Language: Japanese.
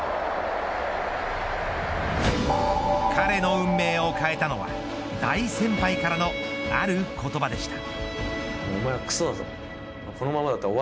彼の運命を変えたのは大先輩からのある言葉でした。